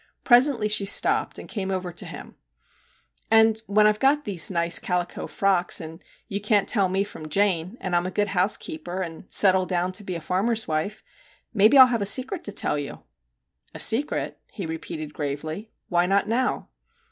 Presently she stopped and came over to him. * And when I Ve got these nice calico frocks, and you can't tell me from Jane, and I 'm a good housekeeper, and settle down to be a farmer's wife, maybe I '11 have a secret to tell you/ ' A secret ?' he repeated gravely. * Why not now